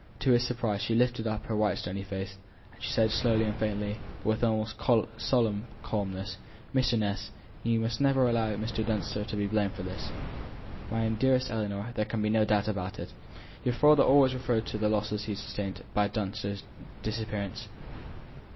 To his surprise she lifted up her white stony face, and said slowly and faintly, but with almost solemn calmness: "Mr. Ness, you must never allow Mr. Dunster to be blamed for this!" "My dear Ellinor, there can be no doubt about it. Your father himself always referred to the losses he had sustained by Dunster's disappearance."